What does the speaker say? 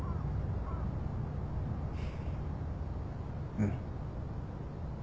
うん。